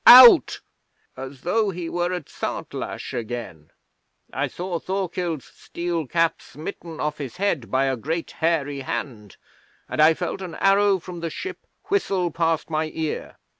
out!" as though he were at Santlache again; I saw Thorkild's steel cap smitten off his head by a great hairy hand, and I felt an arrow from the ship whistle past my ear.